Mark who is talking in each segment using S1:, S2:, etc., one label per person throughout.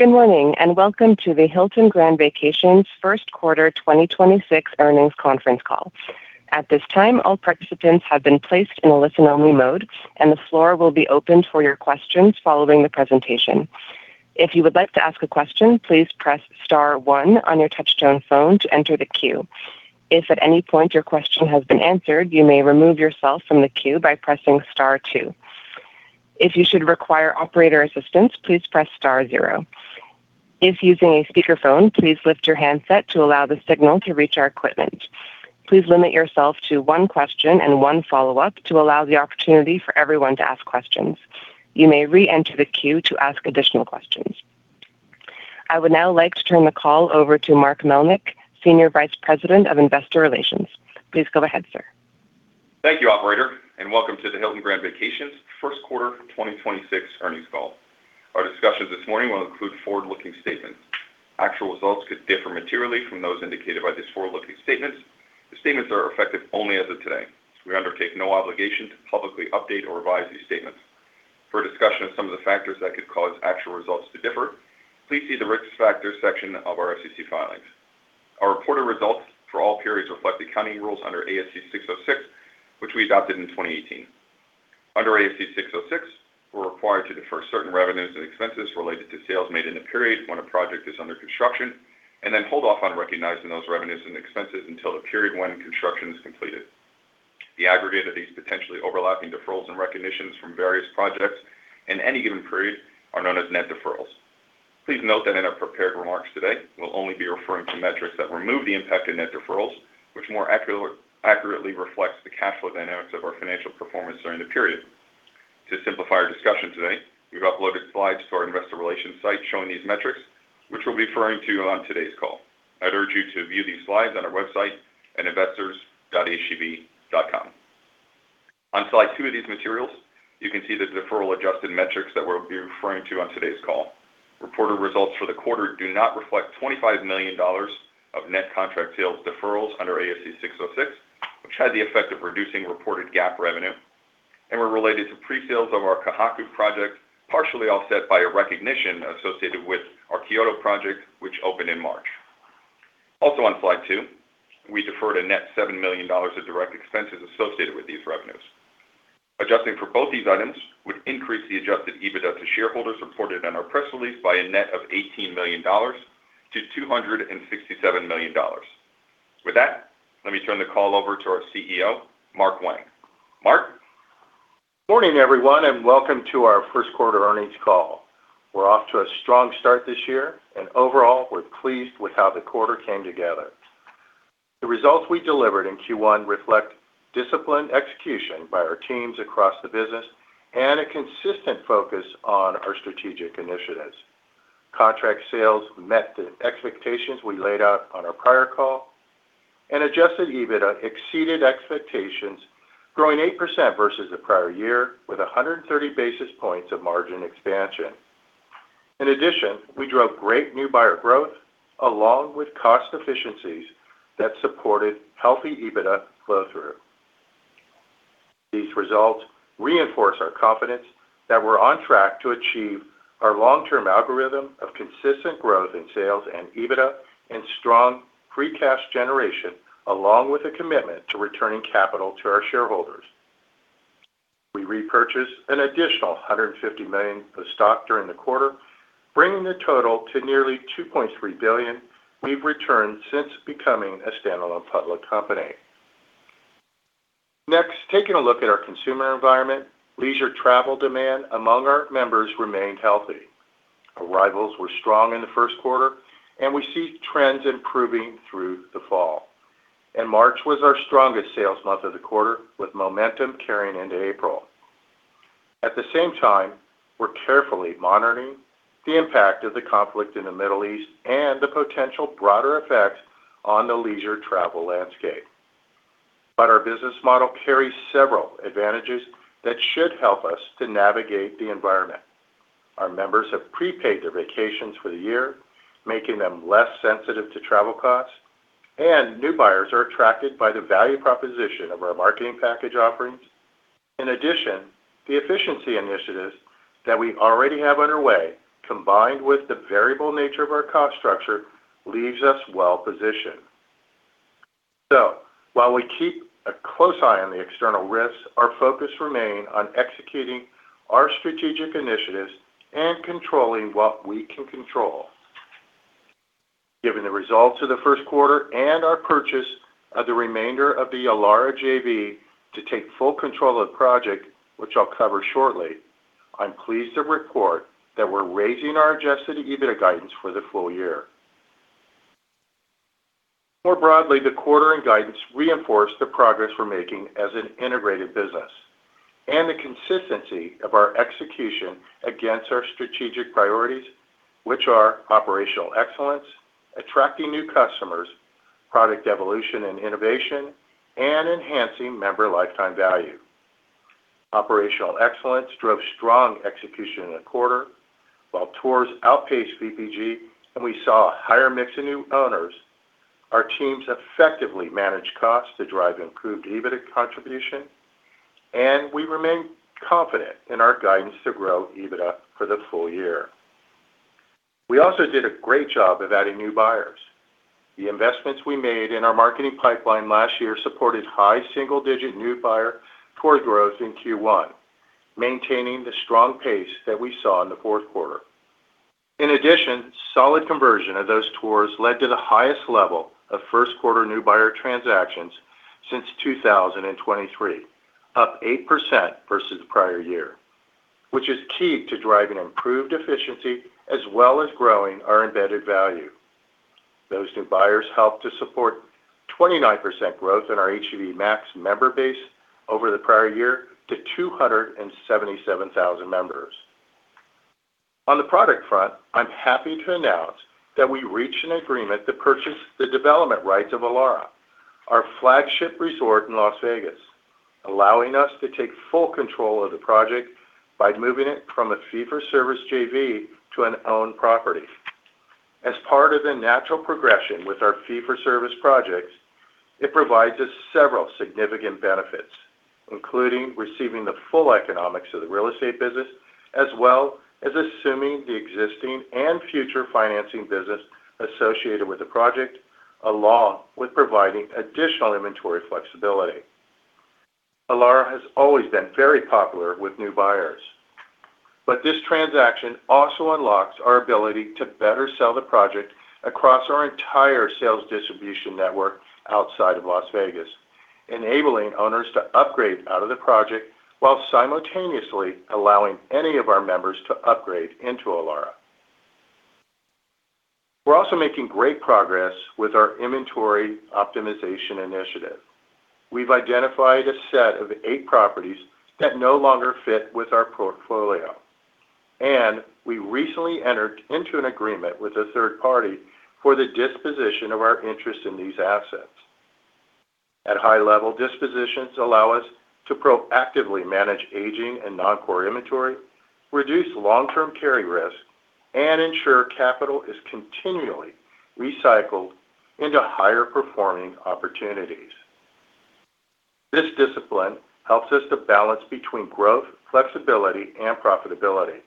S1: Good morning. Welcome to the Hilton Grand Vacations first quarter 2026 earnings conference call. At this time, all participants have been placed in a listen-only mode. The floor will be opened for your questions following the presentation. If you would like to ask a question, please press star one on your touchtone phone to enter the queue. If at any point your question has been answered, you may remove yourself from the queue by pressing star two. If you should require operator assistance, please press star zero. If using a speakerphone, please lift your handset to allow the signal to reach our equipment. Please limit yourself to one question and one follow-up to allow the opportunity for everyone to ask questions. You may re-enter the queue to ask additional questions. I would now like to turn the call over to Mark Melnyk, Senior Vice President of Investor Relations. Please go ahead, sir.
S2: Thank you, operator, and welcome to the Hilton Grand Vacations first quarter 2026 earnings call. Our discussions this morning will include forward-looking statements. Actual results could differ materially from those indicated by these forward-looking statements. The statements are effective only as of today. We undertake no obligation to publicly update or revise these statements. For a discussion of some of the factors that could cause actual results to differ, please see the Risk Factors section of our SEC filings. Our reported results for all periods reflect accounting rules under ASC 606, which we adopted in 2018. Under ASC 606, we're required to defer certain revenues and expenses related to sales made in a period when a project is under construction and then hold off on recognizing those revenues and expenses until the period when construction is completed. The aggregate of these potentially overlapping deferrals and recognitions from various projects in any given period are known as net deferrals. Please note that in our prepared remarks today, we'll only be referring to metrics that remove the impact of net deferrals, which more accurately reflects the cash flow dynamics of our financial performance during the period. To simplify our discussion today, we've uploaded slides to our investor relations site showing these metrics, which we'll be referring to on today's call. I'd urge you to view these slides on our website at investors.hgv.com. On slide two of these materials, you can see the deferral-adjusted metrics that we'll be referring to on today's call. Reported results for the quarter do not reflect $25 million of net contract sales deferrals under ASC 606, which had the effect of reducing reported GAAP revenue and were related to pre-sales of our Kahaku project, partially offset by a recognition associated with our Kyoto project, which opened in March. Also on slide two, we deferred a net $7 million of direct expenses associated with these revenues. Adjusting for both these items would increase the adjusted EBITDA to shareholders reported on our press release by a net of $18 million-$267 million. With that, let me turn the call over to our CEO, Mark Wang. Mark?
S3: Morning, everyone, and welcome to our first quarter earnings call. We're off to a strong start this year, and overall, we're pleased with how the quarter came together. The results we delivered in Q1 reflect disciplined execution by our teams across the business and a consistent focus on our strategic initiatives. Contract sales met the expectations we laid out on our prior call, and adjusted EBITDA exceeded expectations, growing 8% versus the prior year, with 130 basis points of margin expansion. In addition, we drove great new buyer growth along with cost efficiencies that supported healthy EBITDA flow-through. These results reinforce our confidence that we're on track to achieve our long-term algorithm of consistent growth in sales and EBITDA and strong free cash generation, along with a commitment to returning capital to our shareholders. We repurchased an additional $150 million of stock during the quarter, bringing the total to nearly $2.3 billion we've returned since becoming a standalone public company. Next, taking a look at our consumer environment, leisure travel demand among our members remained healthy. Arrivals were strong in the first quarter. We see trends improving through the fall. March was our strongest sales month of the quarter, with momentum carrying into April. At the same time, we're carefully monitoring the impact of the conflict in the Middle East and the potential broader effect on the leisure travel landscape. Our business model carries several advantages that should help us to navigate the environment. Our members have prepaid their vacations for the year, making them less sensitive to travel costs, and new buyers are attracted by the value proposition of our marketing package offerings. In addition, the efficiency initiatives that we already have underway, combined with the variable nature of our cost structure, leaves us well positioned. While we keep a close eye on the external risks, our focus remain on executing our strategic initiatives and controlling what we can control. Given the results of the 1st quarter and our purchase of the remainder of the Elara JV to take full control of the project, which I'll cover shortly, I'm pleased to report that we're raising our adjusted EBITDA guidance for the full year. More broadly, the quarter and guidance reinforce the progress we're making as an integrated business and the consistency of our execution against our strategic priorities, which are operational excellence, attracting new customers, product evolution and innovation, and enhancing member lifetime value. Operational excellence drove strong execution in the quarter while tours outpaced VPG, and we saw a higher mix of new owners. Our teams effectively managed costs to drive improved EBITDA contribution. We remain confident in our guidance to grow EBITDA for the full year. We also did a great job of adding new buyers. The investments we made in our marketing pipeline last year supported high single-digit new buyer tour growth in Q1, maintaining the strong pace that we saw in the fourth quarter. In addition, solid conversion of those tours led to the highest level of first quarter new buyer transactions since 2023, up 8% versus the prior year, which is key to driving improved efficiency as well as growing our embedded value. Those new buyers helped to support 29% growth in our HGV Max member base over the prior year to 277,000 members. On the product front, I'm happy to announce that we reached an agreement to purchase the development rights of Elara, our flagship resort in Las Vegas, allowing us to take full control of the project by moving it from a fee-for-service JV to an owned property. As part of the natural progression with our fee-for-service projects, it provides us several significant benefits, including receiving the full economics of the real estate business, as well as assuming the existing and future financing business associated with the project, along with providing additional inventory flexibility. Elara has always been very popular with new buyers, but this transaction also unlocks our ability to better sell the project across our entire sales distribution network outside of Las Vegas, enabling owners to upgrade out of the project while simultaneously allowing any of our members to upgrade into Elara. We're also making great progress with our Inventory Optimization Initiative. We've identified a set of eight properties that no longer fit with our portfolio, and we recently entered into an agreement with a third party for the disposition of our interest in these assets. At high level, dispositions allow us to proactively manage aging and non-core inventory, reduce long-term carry risk, and ensure capital is continually recycled into higher performing opportunities. This discipline helps us to balance between growth, flexibility, and profitability.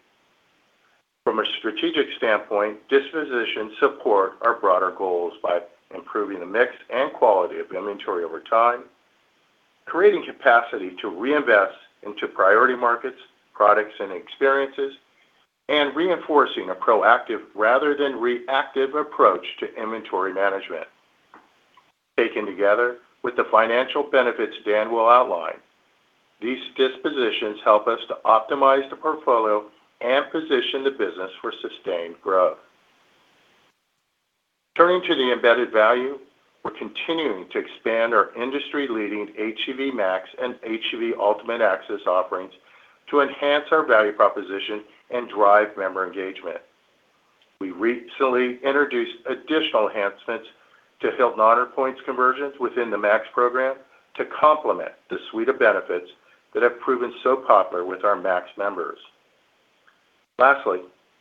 S3: From a strategic standpoint, dispositions support our broader goals by improving the mix and quality of inventory over time, creating capacity to reinvest into priority markets, products and experiences, and reinforcing a proactive rather than reactive approach to inventory management. Taken together with the financial benefits Dan will outline, these dispositions help us to optimize the portfolio and position the business for sustained growth. Turning to the embedded value, we're continuing to expand our industry-leading HGV Max and HGV Ultimate Access offerings to enhance our value proposition and drive member engagement. We recently introduced additional enhancements to Hilton Honors points conversions within the Max program to complement the suite of benefits that have proven so popular with our Max members. Lastly,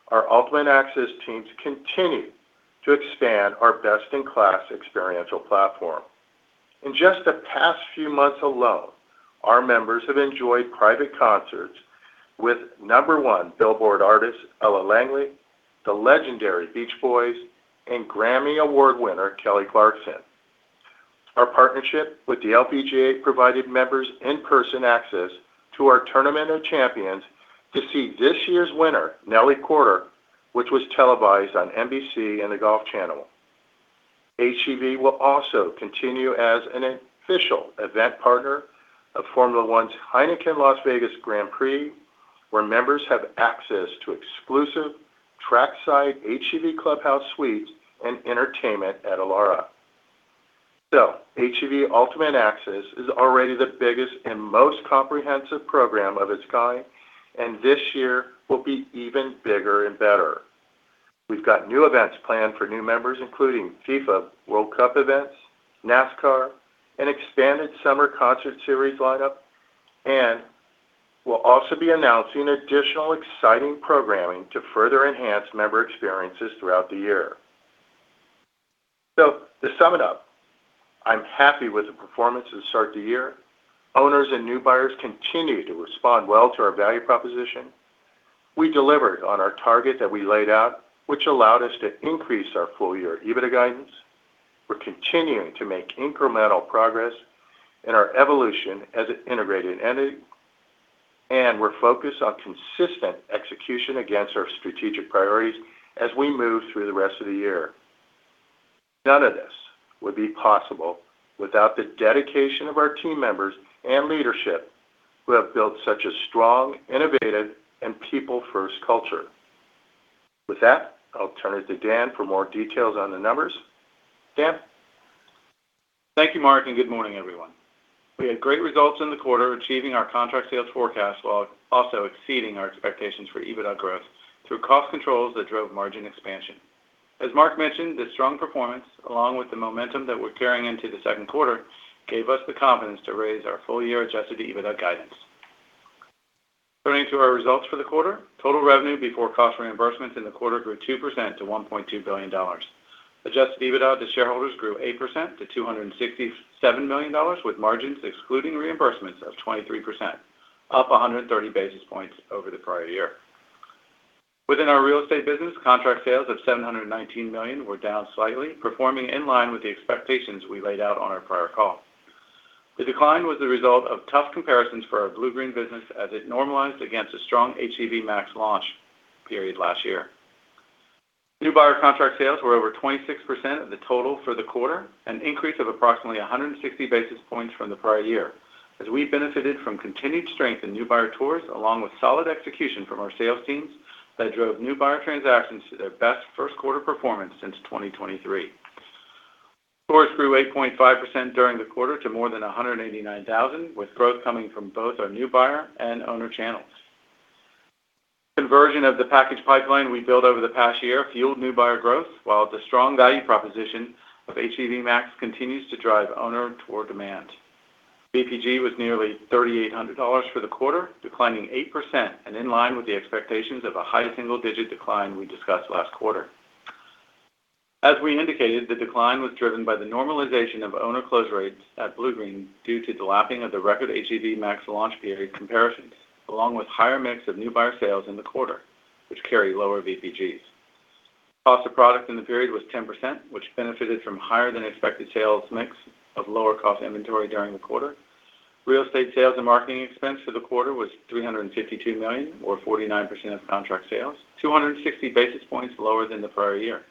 S3: our Ultimate Access teams continue to expand our best-in-class experiential platform. In just the past few months alone, our members have enjoyed private concerts with number one Billboard artist Ella Langley, the legendary Beach Boys, and Grammy Award winner Kelly Clarkson. Our partnership with the LPGA provided members in-person access to our Tournament of Champions to see this year's winner, Nelly Korda, which was televised on NBC and the Golf Channel. HGV will also continue as an official event partner of Formula One's Heineken Las Vegas Grand Prix, where members have access to exclusive track-side HGV clubhouse suites and entertainment at Elara. HGV Ultimate Access is already the biggest and most comprehensive program of its kind, and this year will be even bigger and better. We've got new events planned for new members, including FIFA World Cup events, NASCAR, an expanded summer concert series lineup, and we'll also be announcing additional exciting programming to further enhance member experiences throughout the year. To sum it up, I'm happy with the performance to start the year. Owners and new buyers continue to respond well to our value proposition. We delivered on our target that we laid out, which allowed us to increase our full year EBITDA guidance. We're continuing to make incremental progress in our evolution as an integrated entity, and we're focused on consistent execution against our strategic priorities as we move through the rest of the year. None of this would be possible without the dedication of our team members and leadership who have built such a strong, innovative, and people-first culture. With that, I'll turn it to Dan for more details on the numbers. Dan?
S4: Thank you, Mark, good morning, everyone. We had great results in the quarter, achieving our contract sales forecast while also exceeding our expectations for EBITDA growth through cost controls that drove margin expansion. As Mark mentioned, the strong performance along with the momentum that we're carrying into the second quarter gave us the confidence to raise our full-year adjusted EBITDA guidance. To our results for the quarter. Total revenue before cost reimbursements in the quarter grew 2% to $1.2 billion. Adjusted EBITDA to shareholders grew 8% to $267 million, with margins excluding reimbursements of 23%, up 130 basis points over the prior year. Within our real estate business, contract sales of $719 million were down slightly, performing in line with the expectations we laid out on our prior call. The decline was the result of tough comparisons for our Bluegreen business as it normalized against a strong HGV Max launch period last year. New buyer contract sales were over 26% of the total for the quarter, an increase of approximately 160 basis points from the prior year, as we benefited from continued strength in new buyer tours along with solid execution from our sales teams that drove new buyer transactions to their best first quarter performance since 2023. Tours grew 8.5% during the quarter to more than 189,000, with growth coming from both our new buyer and owner channels. Conversion of the package pipeline we built over the past year fueled new buyer growth, while the strong value proposition of HGV Max continues to drive owner tour demand. VPG was nearly $3,800 for the quarter, declining 8% and in line with the expectations of a high single-digit decline we discussed last quarter. As we indicated, the decline was driven by the normalization of owner close rates at Bluegreen due to the lapping of the record HGV Max launch period comparisons along with higher mix of new buyer sales in the quarter, which carry lower VPGs. Cost of product in the period was 10%, which benefited from higher than expected sales mix of lower cost inventory during the quarter. Real estate sales and marketing expense for the quarter was $352 million or 49% of contract sales, 260 basis points lower than the prior year.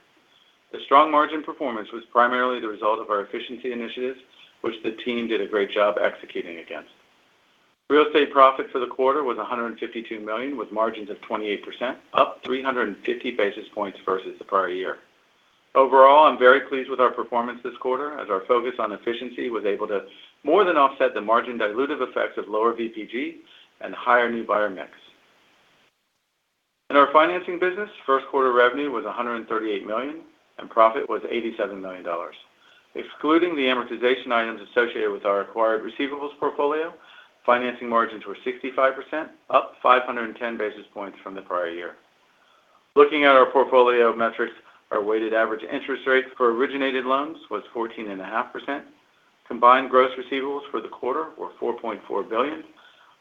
S4: The strong margin performance was primarily the result of our efficiency initiatives, which the team did a great job executing against. Real estate profit for the quarter was $152 million, with margins of 28%, up 350 basis points versus the prior year. Overall, I'm very pleased with our performance this quarter as our focus on efficiency was able to more than offset the margin dilutive effects of lower VPG and higher new buyer mix. In our financing business, first quarter revenue was $138 million, and profit was $87 million. Excluding the amortization items associated with our acquired receivables portfolio, financing margins were 65%, up 510 basis points from the prior year. Looking at our portfolio metrics, our weighted average interest rate for originated loans was 14.5%. Combined gross receivables for the quarter were $4.4 billion.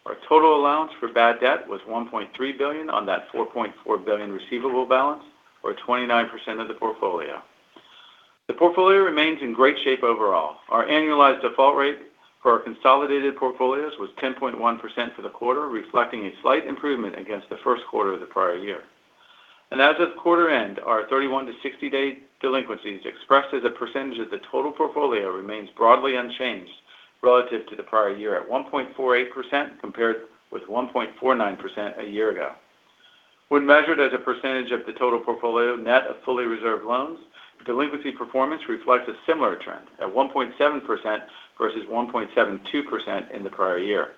S4: Our total allowance for bad debt was $1.3 billion on that $4.4 billion receivable balance, or 29% of the portfolio. The portfolio remains in great shape overall. Our annualized default rate for our consolidated portfolios was 10.1% for the quarter, reflecting a slight improvement against the first quarter of the prior year. As of quarter end, our 31-60-day delinquencies, expressed as a percentage of the total portfolio, remains broadly unchanged relative to the prior year at 1.48%, compared with 1.49% a year ago. When measured as a percentage of the total portfolio net of fully reserved loans, delinquency performance reflects a similar trend at 1.7% versus 1.72% in the prior year.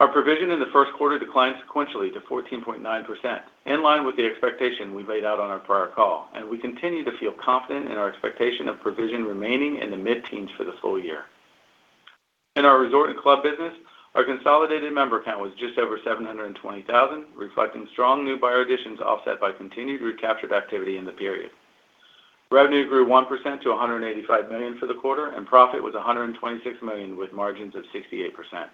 S4: Our provision in the first quarter declined sequentially to 14.9%, in line with the expectation we laid out on our prior call, and we continue to feel confident in our expectation of provision remaining in the mid-teens for the full year. In our resort and club business, our consolidated member count was just over 720,000, reflecting strong new buyer additions offset by continued recaptured activity in the period. Revenue grew 1% to $185 million for the quarter, and profit was $126 million with margins of 68%.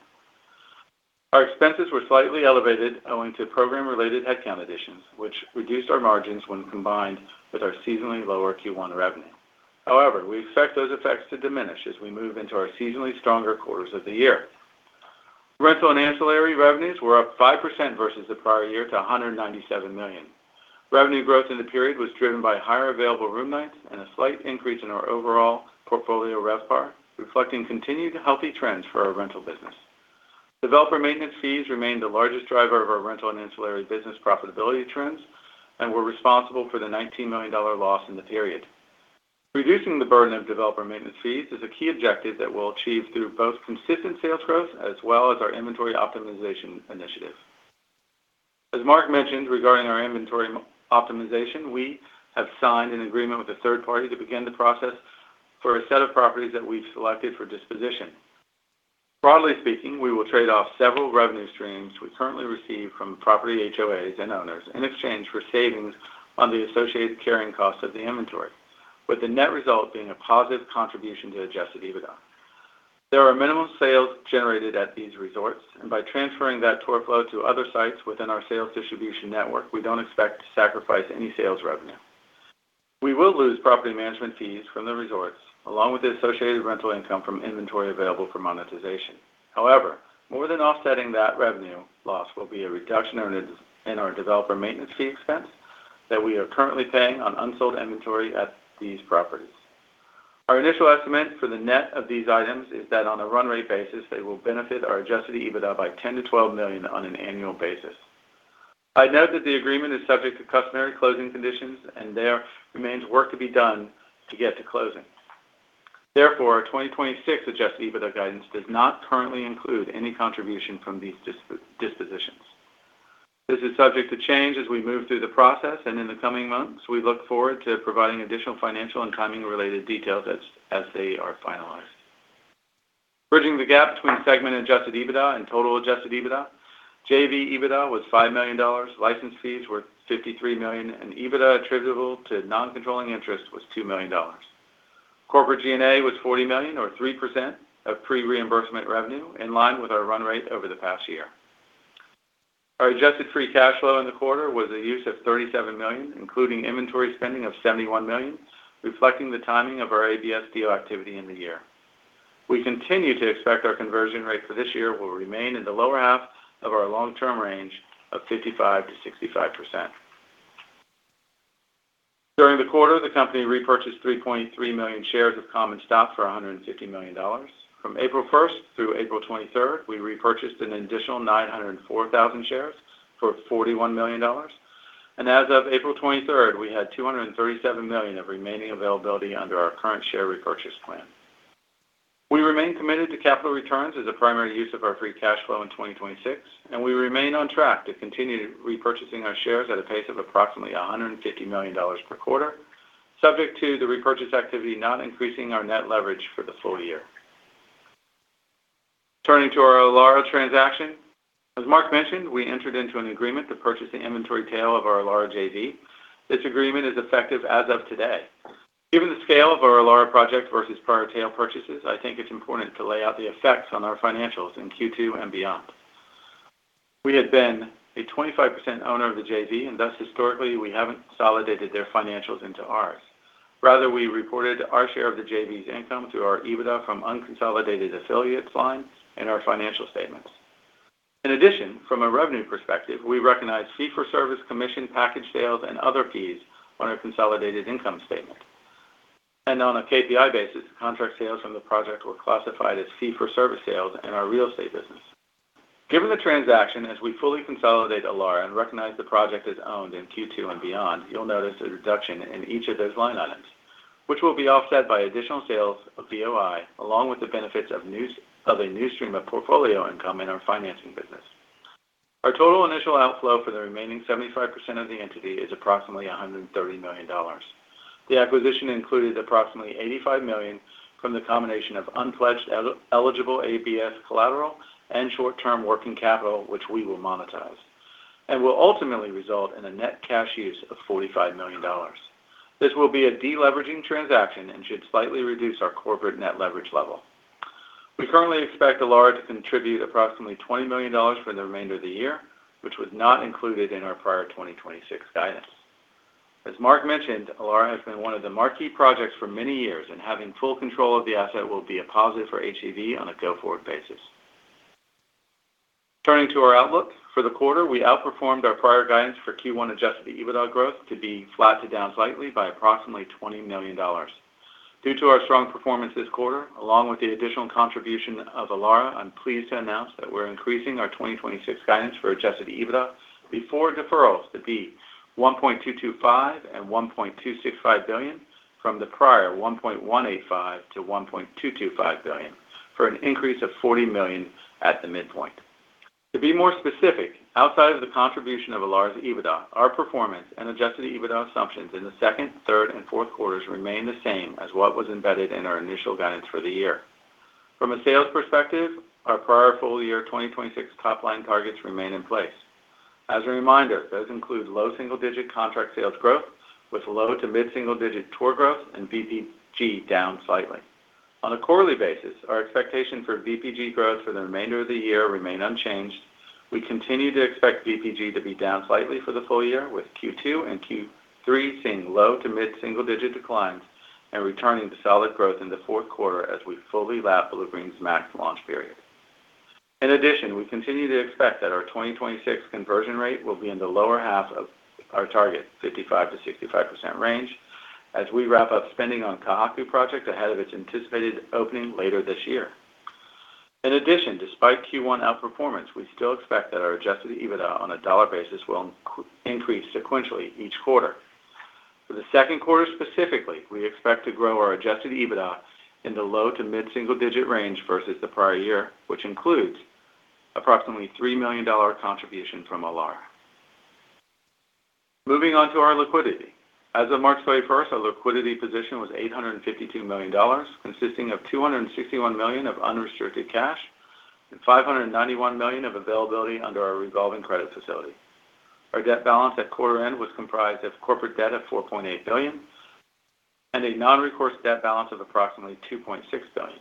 S4: Our expenses were slightly elevated owing to program related headcount additions, which reduced our margins when combined with our seasonally lower Q1 revenue. However, we expect those effects to diminish as we move into our seasonally stronger quarters of the year. Rental and ancillary revenues were up 5% versus the prior year to $197 million. Revenue growth in the period was driven by higher available room nights and a slight increase in our overall portfolio RevPAR, reflecting continued healthy trends for our rental business. Developer maintenance fees remained the largest driver of our rental and ancillary business profitability trends and were responsible for the $19 million loss in the period. Reducing the burden of developer maintenance fees is a key objective that we'll achieve through both consistent sales growth as well as our inventory optimization initiative. As Mark mentioned regarding our inventory optimization, we have signed an agreement with a third party to begin the process for a set of properties that we've selected for disposition. Broadly speaking, we will trade off several revenue streams we currently receive from property HOAs and owners in exchange for savings on the associated carrying costs of the inventory, with the net result being a positive contribution to adjusted EBITDA. There are minimum sales generated at these resorts, and by transferring that tour flow to other sites within our sales distribution network, we don't expect to sacrifice any sales revenue. We will lose property management fees from the resorts, along with the associated rental income from inventory available for monetization. More than offsetting that revenue loss will be a reduction in our developer maintenance fee expense that we are currently paying on unsold inventory at these properties. Our initial estimate for the net of these items is that on a run rate basis, they will benefit our adjusted EBITDA by $10 million-$12 million on an annual basis. I'd note that the agreement is subject to customary closing conditions, and there remains work to be done to get to closing. Our 2026 adjusted EBITDA guidance does not currently include any contribution from these dispositions. This is subject to change as we move through the process and in the coming months, we look forward to providing additional financial and timing related details as they are finalized. Bridging the gap between segment adjusted EBITDA and total adjusted EBITDA, JV EBITDA was $5 million, license fees were $53 million, and EBITDA attributable to non-controlling interest was $2 million. Corporate G&A was $40 million, or 3% of pre-reimbursement revenue, in line with our run rate over the past year. Our adjusted free cash flow in the quarter was a use of $37 million, including inventory spending of $71 million, reflecting the timing of our ABS deal activity in the year. We continue to expect our conversion rate for this year will remain in the lower half of our long-term range of 55%-65%. During the quarter, the company repurchased 3.3 million shares of common stock for $150 million. From April 1st through April 23rd, we repurchased an additional 904,000 shares for $41 million. As of April 23rd, we had $237 million of remaining availability under our current share repurchase plan. We remain committed to capital returns as a primary use of our free cash flow in 2026, and we remain on track to continue repurchasing our shares at a pace of approximately $150 million per quarter, subject to the repurchase activity not increasing our net leverage for the full year. Turning to our Elara transaction. As Mark mentioned, we entered into an agreement to purchase the inventory tail of our Elara JV. This agreement is effective as of today. Given the scale of our Elara project versus prior tail purchases, I think it's important to lay out the effects on our financials in Q2 and beyond. We had been a 25% owner of the JV, and thus historically, we haven't consolidated their financials into ours. Rather, we reported our share of the JV's income through our EBITDA from unconsolidated affiliates line in our financial statements. In addition, from a revenue perspective, we recognized fee-for-service commission package sales and other fees on our consolidated income statement. On a KPI basis, contract sales from the project were classified as fee-for-service sales in our real estate business. Given the transaction, as we fully consolidate Elara and recognize the project as owned in Q2 and beyond, you'll notice a reduction in each of those line items, which will be offset by additional sales of VOI, along with the benefits of a new stream of portfolio income in our financing business. Our total initial outflow for the remaining 75% of the entity is approximately $130 million. The acquisition included approximately $85 million from the combination of unpledged eligible ABS collateral and short-term working capital, which we will monetize, and will ultimately result in a net cash use of $45 million. This will be a deleveraging transaction and should slightly reduce our corporate net leverage level. We currently expect Elara to contribute approximately $20 million for the remainder of the year, which was not included in our prior 2026 guidance. As Mark mentioned, Elara has been one of the marquee projects for many years, and having full control of the asset will be a positive for HGV on a go-forward basis. Turning to our outlook. For the quarter, we outperformed our prior guidance for Q1 adjusted EBITDA growth to be flat to down slightly by approximately $20 million. Due to our strong performance this quarter, along with the additional contribution of Elara, I'm pleased to announce that we're increasing our 2026 guidance for adjusted EBITDA before deferrals to be $1.225 billion-$1.265 billion from the prior $1.185 billion-$1.225 billion, for an increase of $40 million at the midpoint. To be more specific, outside of the contribution of Elara's EBITDA, our performance and adjusted EBITDA assumptions in the second, third, and fourth quarters remain the same as what was embedded in our initial guidance for the year. From a sales perspective, our prior full year 2026 top-line targets remain in place. As a reminder, those include low single-digit contract sales growth with low- to mid-single-digit TOR growth and VPG down slightly. On a quarterly basis, our expectation for VPG growth for the remainder of the year remain unchanged. We continue to expect VPG to be down slightly for the full year, with Q2 and Q3 seeing low to mid-single digit declines and returning to solid growth in the fourth quarter as we fully lap Bluegreen's Max launch period. We continue to expect that our 2026 conversion rate will be in the lower half of our target 55%-65% range as we wrap up spending on Kahaku project ahead of its anticipated opening later this year. Despite Q1 outperformance, we still expect that our adjusted EBITDA on a dollar basis will increase sequentially each quarter. For the 2nd quarter specifically, we expect to grow our adjusted EBITDA in the low to mid-single-digit range versus the prior year, which includes approximately $3 million contribution from Elara. Moving on to our liquidity. As of March 31st, our liquidity position was $852 million, consisting of $261 million of unrestricted cash and $591 million of availability under our revolving credit facility. Our debt balance at quarter end was comprised of corporate debt of $4.8 billion and a non-recourse debt balance of approximately $2.6 billion.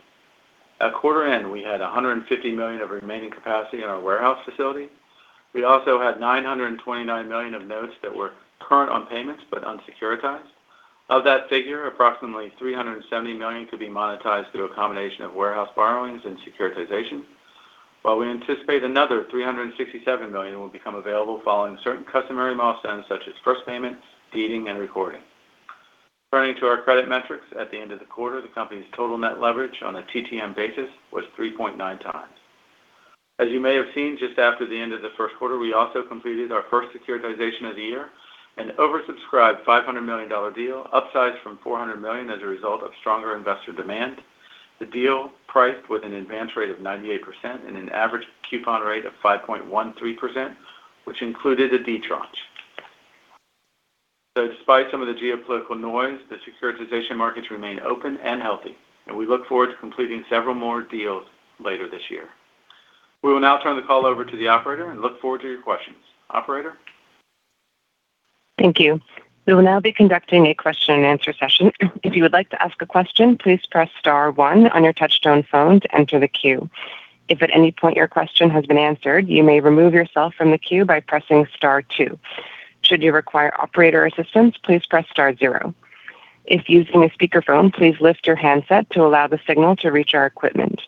S4: At quarter end, we had $150 million of remaining capacity in our warehouse facility. We also had $929 million of notes that were current on payments but unsecuritized. Of that figure, approximately $370 million could be monetized through a combination of warehouse borrowings and securitization, while we anticipate another $367 million will become available following certain customary milestones such as first payments, deeding, and recording. Turning to our credit metrics, at the end of the quarter, the company's total net leverage on a TTM basis was 3.9 times. You may have seen, just after the end of the first quarter, we also completed our first securitization of the year, an oversubscribed $500 million deal, upsized from $400 million as a result of stronger investor demand. The deal priced with an advance rate of 98% and an average coupon rate of 5.13%, which included a D tranche. Despite some of the geopolitical noise, the securitization markets remain open and healthy. We look forward to completing several more deals later this year. We will now turn the call over to the operator and look forward to your questions. Operator?
S1: Thank you. We will now be conducting a question and answer session. If you would like to ask a question, please press star one on your touchtone phone to enter the queue. If at any point your question has been answered, you may remove yourself from the queue by pressing star two. Should you require operator assistance, please press star zero. If using a speakerphone, please lift your handset to allow the signal to reach our equipment.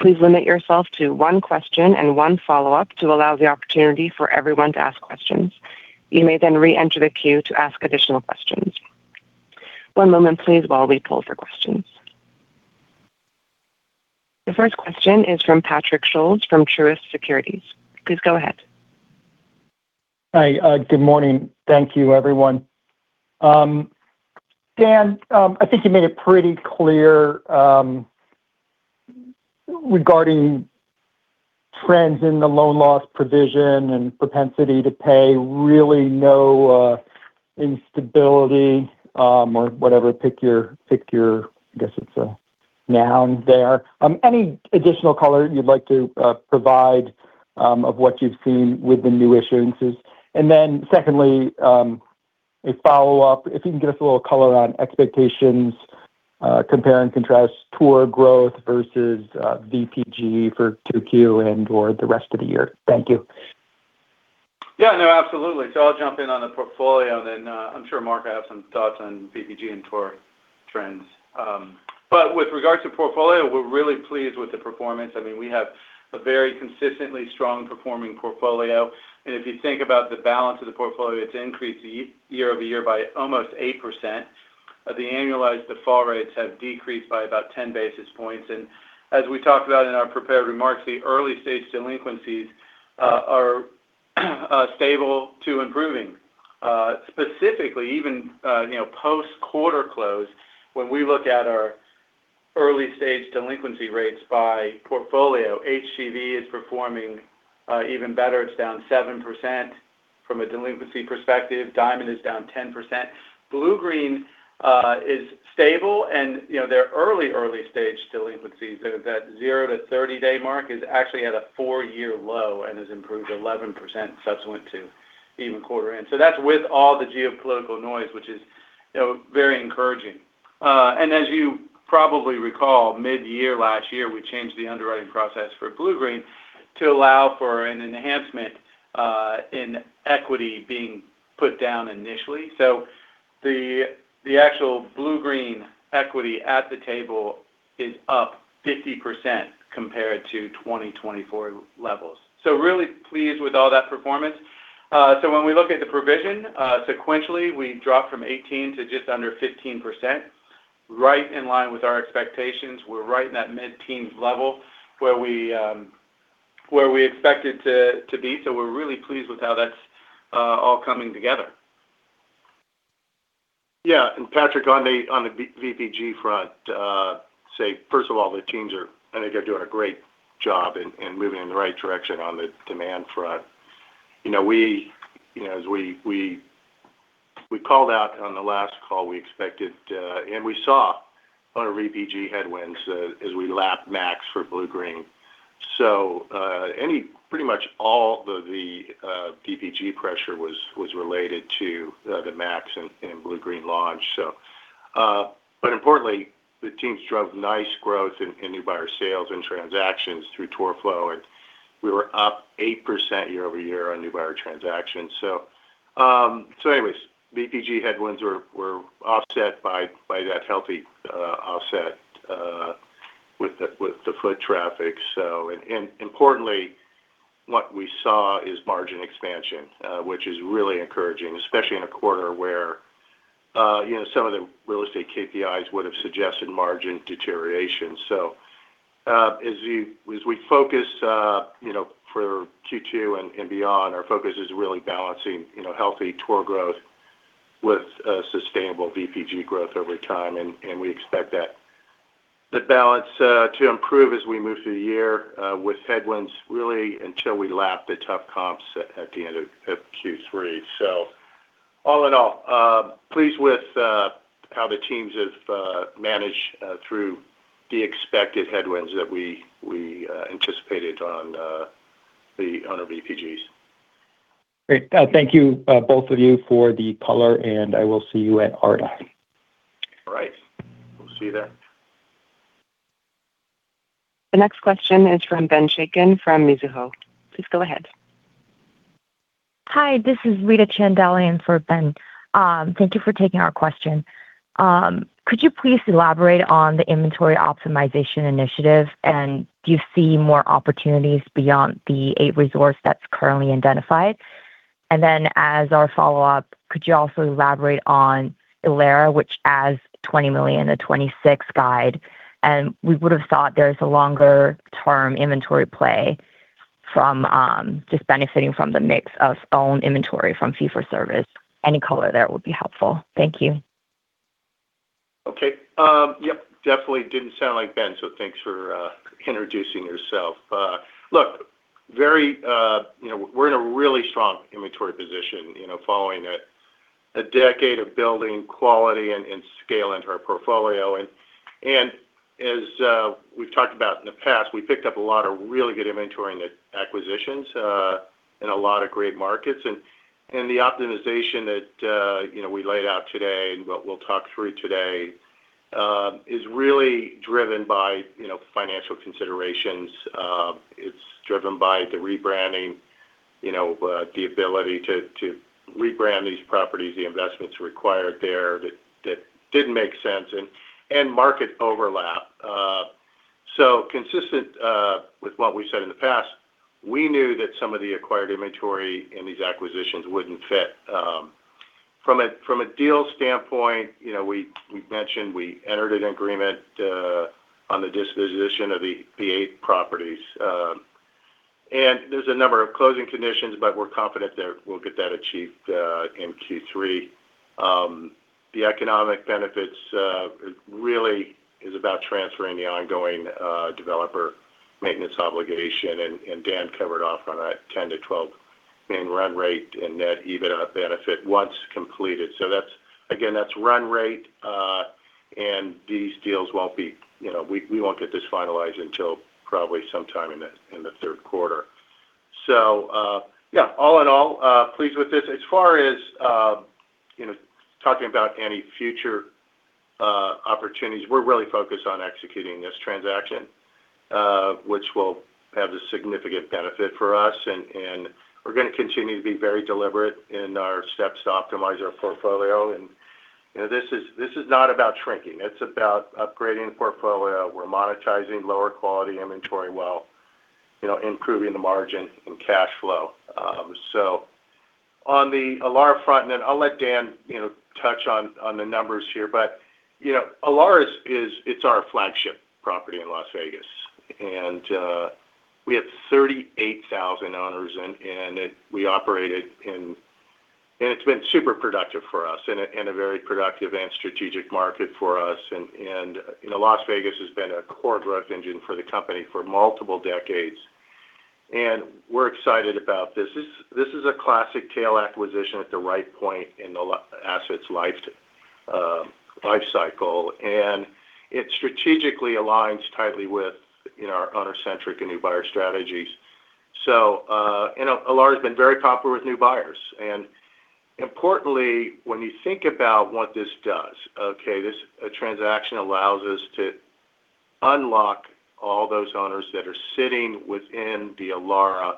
S1: Please limit yourself to one question and one follow-up to allow the opportunity for everyone to ask questions. You may then re-enter the queue to ask additional questions. One moment please while we pull for questions. The first question is from Patrick Scholes from Truist Securities. Please go ahead.
S5: Hi. Good morning. Thank you, everyone. Dan, I think you made it pretty clear regarding trends in the loan loss provision and propensity to pay really no instability or whatever. Any additional color you'd like to provide of what you've seen with the new issuances? Secondly, a follow-up, if you can give us a little color on expectations, compare and contrast tour growth versus VPG for 2Q and or the rest of the year. Thank you.
S4: Yeah, no, absolutely. I'll jump in on the portfolio and then, I'm sure Mark will have some thoughts on VPG and tour trends. With regards to portfolio, we're really pleased with the performance. I mean, we have a very consistently strong performing portfolio. If you think about the balance of the portfolio, it's increased year-over-year by almost 8%. The annualized default rates have decreased by about 10 basis points. As we talked about in our prepared remarks, the early-stage delinquencies are stable to improving. Specifically even, you know, post-quarter close, when we look at our early-stage delinquency rates by portfolio, HGV is performing even better. It's down 7% from a delinquency perspective. Diamond is down 10%. Bluegreen is stable and, you know, their early stage delinquencies at zero to 30-day mark is actually at a four-year low and has improved 11% subsequent to even quarter end. That's with all the geopolitical noise, which is, you know, very encouraging. And as you probably recall, mid-year last year, we changed the underwriting process for Bluegreen to allow for an enhancement in equity being put down initially. The actual Bluegreen equity at the table is up 50% compared to 2024 levels. Really pleased with all that performance. When we look at the provision sequentially, we dropped from 18 to just under 15%, right in line with our expectations. We're right in that mid-teens level where we expected to be. We're really pleased with how that's all coming together.
S3: Yeah. Patrick, on the VPG front, first of all, the teams I think they're doing a great job and moving in the right direction on the demand front. You know, we, as we called out on the last call we expected and we saw on our VPG headwinds as we lap Max for Bluegreen. Pretty much all the VPG pressure was related to the Max in Bluegreen launch. Importantly, the teams drove nice growth in new buyer sales and transactions through tour flow, and we were up 8% year-over-year on new buyer transactions. Anyways, VPG headwinds were offset by that healthy offset with the foot traffic. Importantly, what we saw is margin expansion, which is really encouraging, especially in a quarter where, you know, some of the real estate KPIs would have suggested margin deterioration. As we focus, you know, for Q2 and beyond, our focus is really balancing, you know, healthy tour growth with sustainable VPG growth over time. We expect that balance to improve as we move through the year with headwinds really until we lap the tough comps at the end of Q3. All in all, pleased with how the teams have managed through the expected headwinds that we anticipated on our VPGs.
S5: Great. Thank you, both of you for the color, and I will see you at ARDA.
S3: All right. We'll see you there.
S1: The next question is from Ben Chaiken from Mizuho. Please go ahead.
S6: Hi, this is Rita Chandalian for Ben. Thank you for taking our question. Could you please elaborate on the Inventory Optimization Initiative? Do you see more opportunities beyond the eight resorts that's currently identified? As our follow-up, could you also elaborate on Elara, which has $20 million-$26 million guide? We would have thought there's a longer-term inventory play from just benefiting from the mix of own inventory from fee-for-service. Any color there would be helpful. Thank you.
S3: Okay. Yep, definitely didn't sound like Ben, so thanks for introducing yourself. Look, very, you know, we're in a really strong inventory position, you know, following a decade of building quality and scale into our portfolio. As we've talked about in the past, we picked up a lot of really good inventory in the acquisitions in a lot of great markets. The optimization that, you know, we laid out today and what we'll talk through today is really driven by, you know, financial considerations. It's driven by the rebranding, you know, the ability to rebrand these properties, the investments required there that didn't make sense, and market overlap. Consistent with what we said in the past, we knew that some of the acquired inventory in these acquisitions wouldn't fit. From a deal standpoint, you know, we've mentioned we entered an agreement on the disposition of the eight properties. There's a number of closing conditions, but we're confident there we'll get that achieved in Q3. The economic benefits really is about transferring the ongoing developer maintenance obligation, and Dan covered off on a 10 to 12-man run rate in net EBITDA benefit once completed. Again, that's run rate. These deals won't be, you know, we won't get this finalized until probably sometime in the third quarter. Yeah, all in all, pleased with this. As far as, you know, talking about any future opportunities, we're really focused on executing this transaction, which will have a significant benefit for us. We're gonna continue to be very deliberate in our steps to optimize our portfolio. You know, this is not about shrinking. It's about upgrading the portfolio. We're monetizing lower quality inventory while, you know, improving the margin and cash flow. On the Elara front, and then I'll let Dan, you know, touch on the numbers here, you know, Elara is our flagship property in Las Vegas, and we have 38,000 owners and we operate it, and it's been super productive for us and a very productive and strategic market for us. You know, Las Vegas has been a core growth engine for the company for multiple decades, and we're excited about this. This is a classic tail acquisition at the right point in the asset's life cycle, and it strategically aligns tightly with, you know, our owner-centric and new buyer strategies. Elara has been very popular with new buyers. Importantly, when you think about what this does, okay, this transaction allows us to unlock all those owners that are sitting within the Elara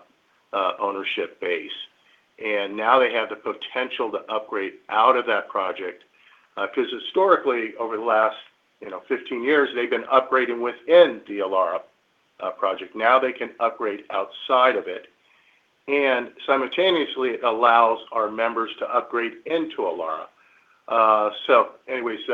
S3: ownership base. Now they have the potential to upgrade out of that project, 'cause historically, over the last, you know, 15 years, they've been upgrading within the Elara project. Now they can upgrade outside of it, and simultaneously it allows our members to upgrade into Elara. Anyways,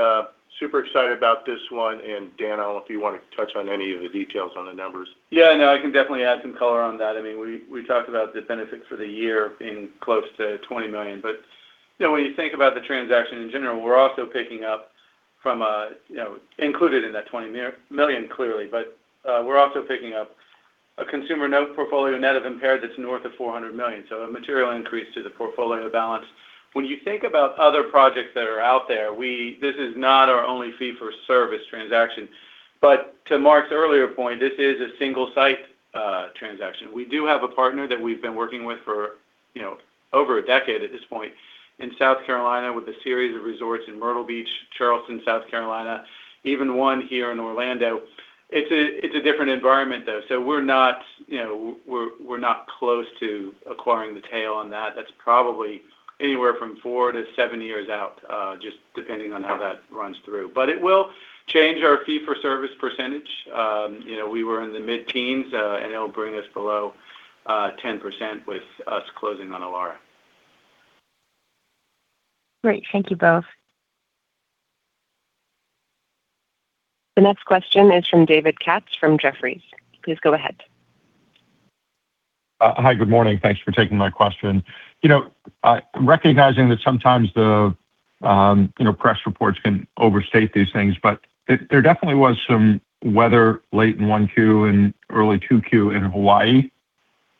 S3: super excited about this one. Dan, I don't know if you want to touch on any of the details on the numbers.
S4: Yeah, no, I can definitely add some color on that. I mean, we talked about the benefits for the year being close to $20 million. You know, when you think about the transaction in general, we're also picking up included in that $20 million clearly, we're also picking up a consumer note portfolio net of impaired that's north of $400 million. A material increase to the portfolio balance. When you think about other projects that are out there, this is not our only fee for service transaction. To Mark's earlier point, this is a single site transaction. We do have a partner that we've been working with for, you know, over a decade at this point in South Carolina with a series of resorts in Myrtle Beach, Charleston, South Carolina, even one here in Orlando. It's a different environment though. We're not, you know, we're not close to acquiring the tail on that. That's probably anywhere from four-seven years out, just depending on how that runs through. It will change our fee for service percentage. You know, we were in the mid-teens, and it'll bring us below 10% with us closing on Elara.
S6: Great. Thank you both.
S1: The next question is from David Katz from Jefferies. Please go ahead.
S7: Hi. Good morning. Thanks for taking my question. You know, recognizing that sometimes the, you know, press reports can overstate these things, but there definitely was some weather late in 1Q and early 2Q in Hawaii.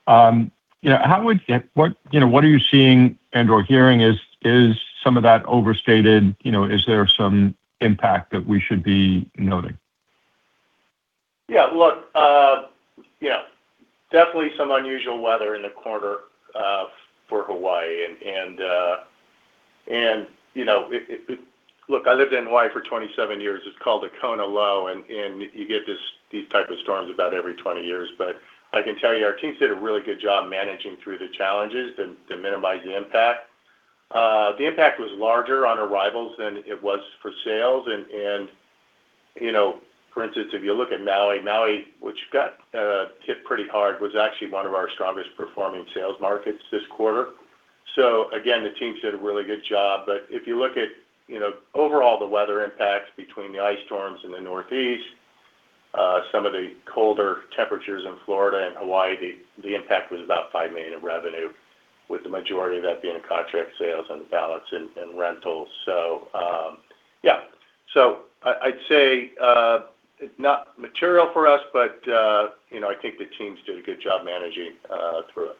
S7: You know, what are you seeing and/or hearing? Is some of that overstated? You know, is there some impact that we should be noting?
S3: Yeah. Look, definitely some unusual weather in the quarter for Hawaii, and, you know, I lived in Hawaii for 27 years. It's called the Kona low, and you get these type of storms about every 20 years. I can tell you, our teams did a really good job managing through the challenges to minimize the impact. The impact was larger on arrivals than it was for sales. You know, for instance, if you look at Maui, which got hit pretty hard, was actually one of our strongest performing sales markets this quarter. Again, the teams did a really good job. If you look at, you know, overall the weather impact between the ice storms in the Northeast, some of the colder temperatures in Florida and Hawaii, the impact was about $5 million in revenue, with the majority of that being contract sales and ballots and rentals. Yeah. I'd say it's not material for us, but, you know, I think the teams did a good job managing through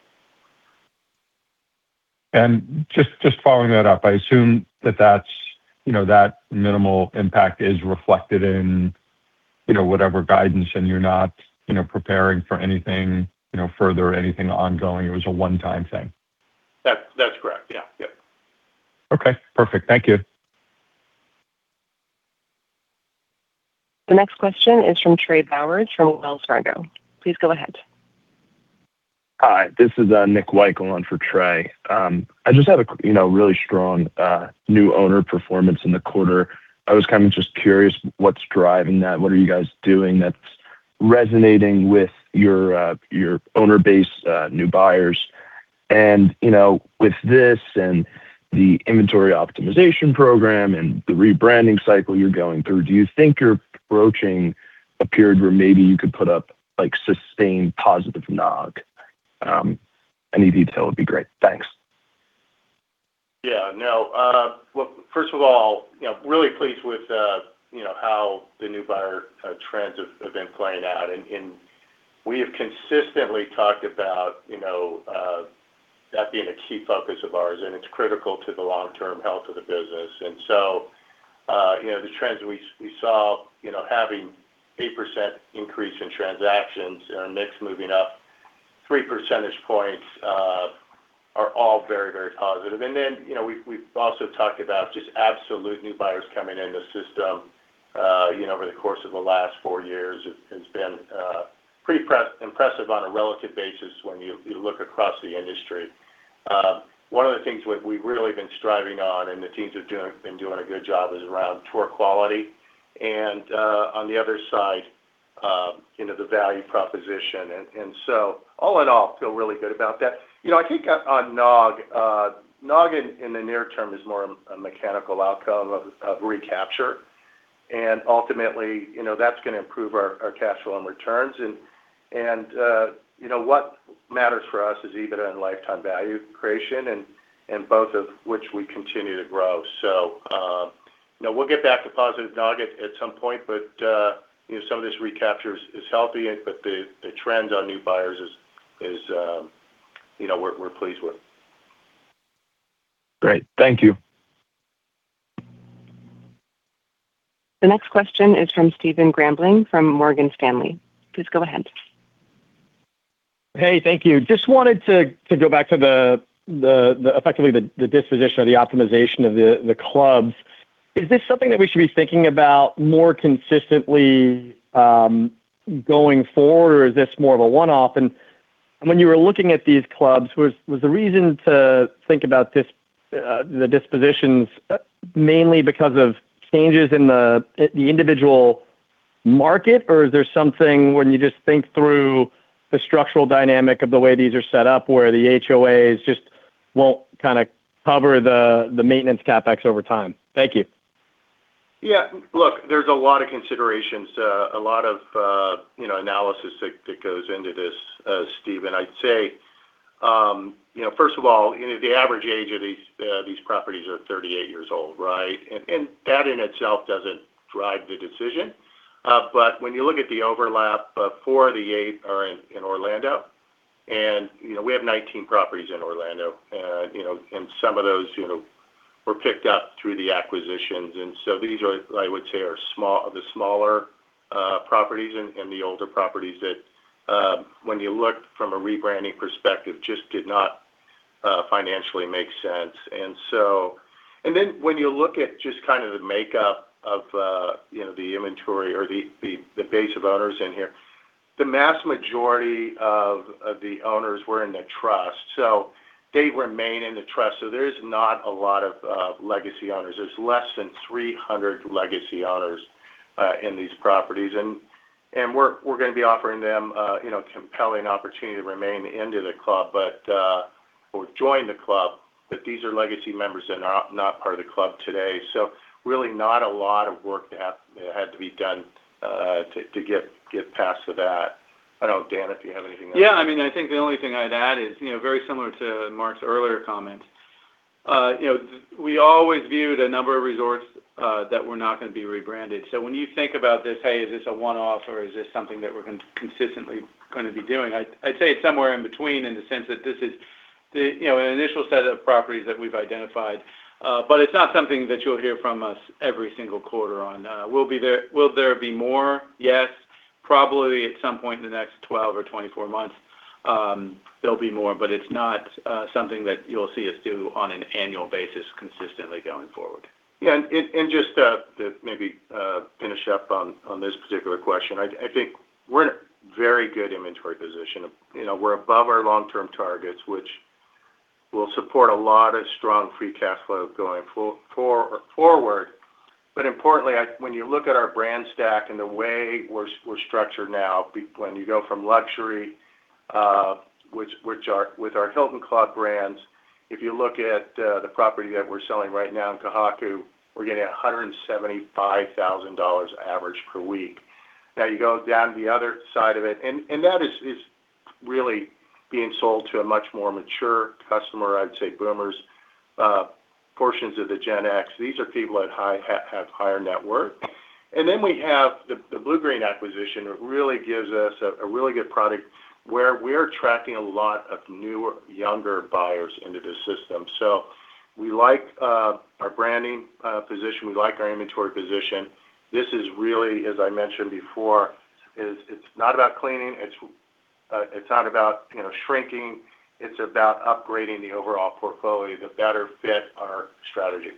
S3: it.
S7: Just following that up, I assume that that's, you know, that minimal impact is reflected in, you know, whatever guidance and you're not, you know, preparing for anything, you know, further, anything ongoing. It was a one-time thing.
S3: That's correct. Yeah. Yep.
S7: Okay. Perfect. Thank you.
S1: The next question is from Trey Bowers from Wells Fargo. Please go ahead.
S8: Hi. This is Nicholas Weikel on for Trey. I just had a, you know, really strong new owner performance in the quarter. I was kind of just curious what's driving that. What are you guys doing that's resonating with your owner base, new buyers? You know, with this and the inventory optimization program and the rebranding cycle you're going through, do you think you're approaching a period where maybe you could put up, like, sustained positive NOG? Any detail would be great. Thanks.
S3: Yeah. No. Well, first of all, you know, really pleased with, you know, how the new buyer trends have been playing out. We have consistently talked about, you know, that being a key focus of ours, and it's critical to the long-term health of the business. You know, the trends we saw, you know, having 8% increase in transactions and our mix moving up three percentage points are all very, very positive. You know, we've also talked about just absolute new buyers coming in the system, you know, over the course of the last four years has been pretty impressive on a relative basis when you look across the industry. One of the things we've really been striving on, and the teams are doing a good job, is around tour quality and on the other side, you know, the value proposition. All in all, feel really good about that. You know, I think on NOG in the near term is more a mechanical outcome of recapture. Ultimately, you know, that's gonna improve our cash flow and returns. You know, what matters for us is EBITDA and lifetime value creation, and both of which we continue to grow. You know, we'll get back to positive NOG at some point, but you know, some of this recapture is healthy, but the trends on new buyers is, you know, we're pleased with.
S8: Great. Thank you.
S1: The next question is from Stephen Grambling from Morgan Stanley. Please go ahead.
S9: Hey, thank you. Just wanted to go back to effectively the disposition or the optimization of the clubs. Is this something that we should be thinking about more consistently going forward, or is this more of a one-off? When you were looking at these clubs, was the reason to think about the dispositions mainly because of changes in the individual market, or is there something when you just think through the structural dynamic of the way these are set up where the HOAs just won't kind of cover the maintenance CapEx over time? Thank you.
S3: Yeah, look, there's a lot of considerations, a lot of, you know, analysis that goes into this, Stephen. I'd say, you know, first of all, you know, the average age of these properties are 38 years old, right? That in itself doesn't drive the decision. When you look at the overlap, four of the eight are in Orlando, and, you know, we have 19 properties in Orlando. You know, and some of those, you know, were picked up through the acquisitions. These are, I would say, the smaller properties and the older properties that, when you look from a rebranding perspective, just did not financially make sense. Then when you look at just kind of the makeup of, you know, the inventory or the base of owners in here, the mass majority of the owners were in the trust. They remain in the trust. There is not a lot of legacy owners. There's less than 300 legacy owners in these properties. We're gonna be offering them, you know, compelling opportunity to remain into the club, or join the club. These are legacy members that are not part of the club today. Really not a lot of work that had to be done to get past that. I don't know, Dan, if you have anything else.
S4: Yeah. I mean, I think the only thing I'd add is, you know, very similar to Mark's earlier comment. You know, we always viewed a number of resorts that were not gonna be rebranded. When you think about this, hey, is this a one-off or is this something that we're consistently gonna be doing, I'd say it's somewhere in between in the sense that this is the, you know, an initial set of properties that we've identified. It's not something that you'll hear from us every single quarter on. Will there be more? Yes, probably at some point in the next 12 or 24 months, there'll be more, but it's not something that you'll see us do on an annual basis consistently going forward.
S3: Just to maybe finish up on this particular question. I think we're in a very good inventory position. You know, we're above our long-term targets, which will support a lot of strong free cash flow going forward. Importantly, when you look at our brand stack and the way we're structured now, when you go from luxury with our The Hilton Club brands, if you look at the property that we're selling right now in Kahaku, we're getting $175,000 average per week. You go down the other side of it, and that is really being sold to a much more mature customer, I'd say boomers, portions of the Gen X. These are people that have higher net worth. Then we have the Bluegreen acquisition really gives us a really good product where we're attracting a lot of newer, younger buyers into the system. We like our branding position. We like our inventory position. This is really, as I mentioned before, it's not about cleaning, it's not about, you know, shrinking. It's about upgrading the overall portfolio to better fit our strategy.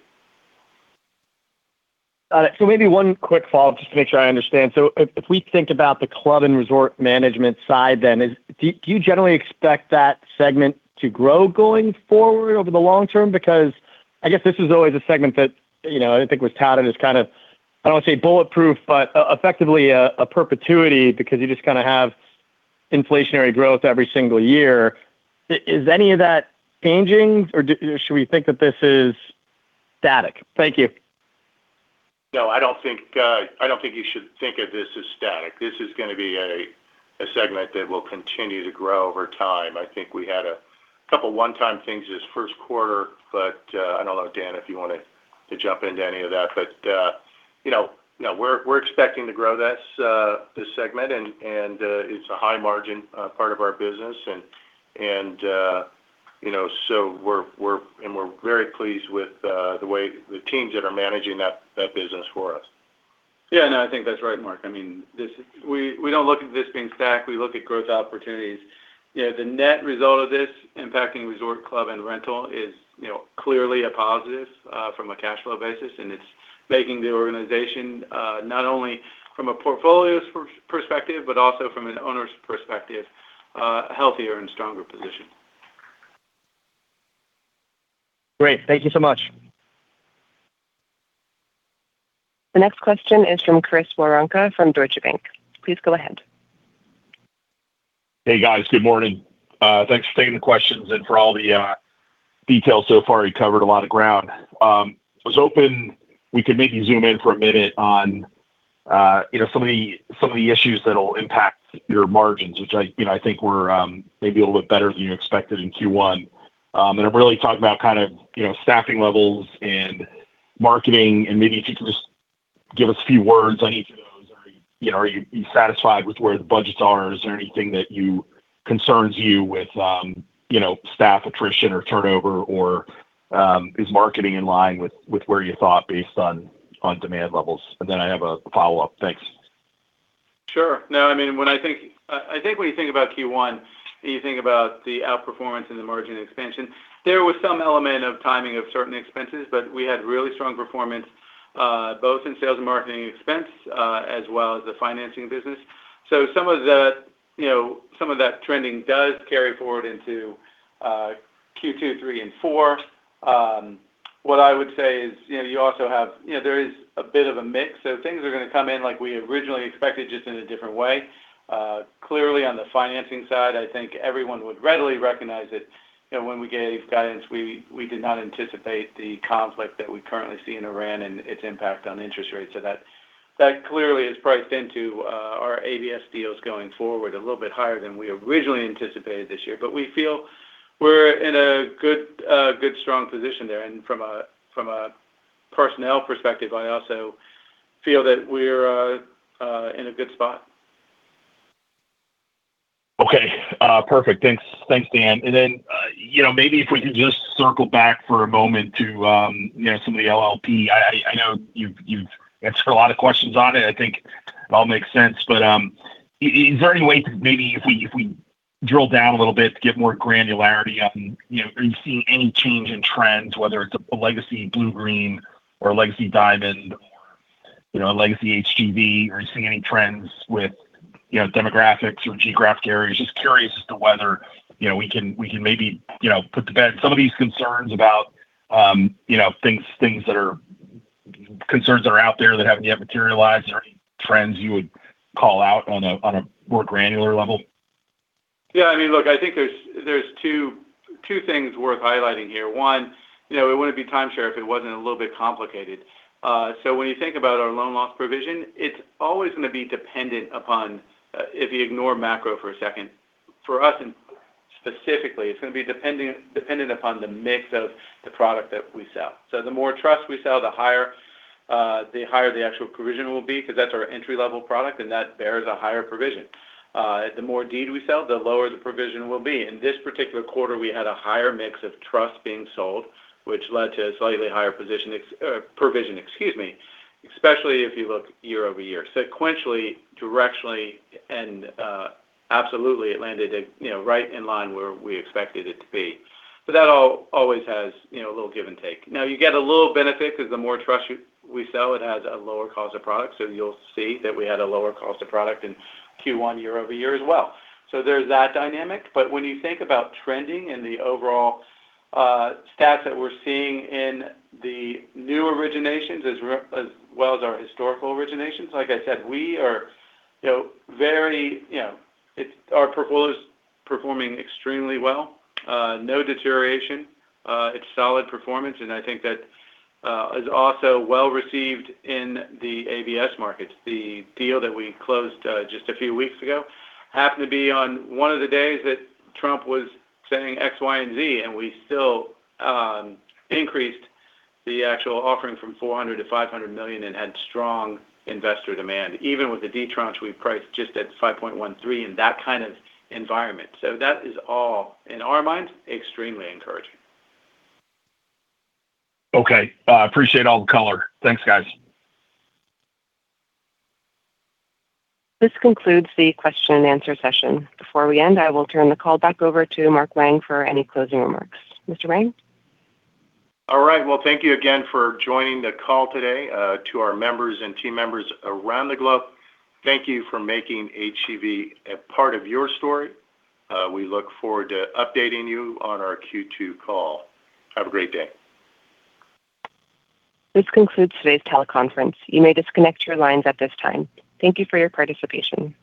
S9: Maybe one quick follow-up just to make sure I understand. If we think about the club and resort management side then, do you generally expect that segment to grow going forward over the long term? I guess this is always a segment that, you know, I didn't think was touted as kind of, I don't wanna say bulletproof, but effectively a perpetuity because you just kind of have inflationary growth every single year. Is any of that changing or should we think that this is static? Thank you.
S3: No, I don't think you should think of this as static. This is gonna be a segment that will continue to grow over time. I think we had a couple one-time things this first quarter. I don't know, Dan, if you want to jump into any of that. You know, we're expecting to grow this segment and it's a high margin part of our business. We're very pleased with the way the teams that are managing that business for us.
S4: Yeah. No, I think that's right, Mark. I mean, We don't look at this being static. We look at growth opportunities. You know, the net result of this impacting resort club and rental is, you know, clearly a positive from a cash flow basis, and it's making the organization not only from a portfolio's perspective, but also from an owner's perspective, a healthier and stronger position.
S9: Great. Thank you so much.
S1: The next question is from Chris Woronka from Deutsche Bank. Please go ahead.
S10: Hey, guys. Good morning. Thanks for taking the questions and for all the details so far. You covered a lot of ground. I was hoping we could maybe zoom in for a minute on, you know, some of the, some of the issues that'll impact your margins, which I, you know, I think were maybe a little bit better than you expected in Q1. I'm really talking about kind of, you know, staffing levels and marketing, and maybe if you could just give us a few words on each of those. Are you know, satisfied with where the budgets are? Is there anything that concerns you with, you know, staff attrition or turnover or is marketing in line with where you thought based on demand levels? Then I have a follow-up. Thanks.
S4: Sure. When you think about Q1, you think about the outperformance and the margin expansion. There was some element of timing of certain expenses, but we had really strong performance, both in sales and marketing expense, as well as the financing business. Some of that, you know, some of that trending does carry forward into Q2, three, and four. What I would say is, you know, there is a bit of a mix. Things are gonna come in like we originally expected, just in a different way. Clearly on the financing side, I think everyone would readily recognize that, you know, when we gave guidance, we did not anticipate the conflict that we currently see in Iran and its impact on interest rates. That clearly is priced into our ABS deals going forward a little bit higher than we originally anticipated this year. We feel we're in a good, strong position there. From a personnel perspective, I also feel that we're in a good spot.
S10: Okay. Perfect. Thanks, Dan. Then, you know, maybe if we could just circle back for a moment to, you know, some of the LLP. I know you've answered a lot of questions on it. I think it all makes sense, but is there any way to maybe if we drill down a little bit to get more granularity on, you know, are you seeing any change in trends, whether it's a legacy Bluegreen or a legacy Diamond or, you know, a legacy HGV? Are you seeing any trends with, you know, demographics or geographic areas? Just curious as to whether, you know, we can maybe, you know, put to bed some of these concerns about, you know, things that are concerns that are out there that haven't yet materialized or any trends you would call out on a, on a more granular level.
S4: Yeah. I mean, look, I think there's two things worth highlighting here. One, you know, it wouldn't be timeshare if it wasn't a little bit complicated. When you think about our loan loss provision, it's always gonna be dependent upon, if you ignore macro for a second. For us specifically, it's gonna be dependent upon the mix of the product that we sell. The more trust we sell, the higher the actual provision will be because that's our entry-level product, and that bears a higher provision. The more deed we sell, the lower the provision will be. In this particular quarter, we had a higher mix of trust being sold, which led to a slightly higher provision, excuse me, especially if you look year-over-year. Sequentially, directionally, and absolutely, it landed at, you know, right in line where we expected it to be. That always has, you know, a little give and take. You get a little benefit because the more trust we sell, it has a lower cost of product. You'll see that we had a lower cost of product in Q1 year-over-year as well. There's that dynamic, but when you think about trending and the overall stats that we're seeing in the new originations as well as our historical originations, like I said, we are, you know, very, you know. Our portfolio is performing extremely well. No deterioration. It's solid performance, and I think that is also well received in the ABS markets. The deal that we closed, just a few weeks ago happened to be on one of the days that Trump was saying X, Y, and Z, and we still increased the actual offering from $400 million-$500 million and had strong investor demand. Even with the D tranche, we priced just at 5.13 in that kind of environment. That is all, in our minds, extremely encouraging.
S10: Okay. appreciate all the color. Thanks, guys.
S1: This concludes the question and answer session. Before we end, I will turn the call back over to Mark Wang for any closing remarks. Mr. Wang?
S3: All right. Well, thank you again for joining the call today. To our members and team members around the globe, thank you for making HGV a part of your story. We look forward to updating you on our Q2 call. Have a great day.
S1: This concludes today's teleconference. You may disconnect your lines at this time. Thank you for your participation.